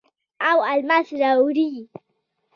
او الماس راوړي